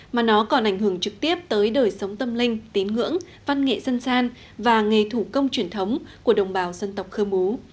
mà nó còn ảnh hưởng trực tiếp tới đời sống tâm linh tín ngưỡng văn nghệ dân gian và nghề thủ công truyền thống của đồng bào dân tộc khơ mú